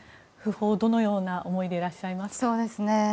訃報、どのような思いでいらっしゃいますか。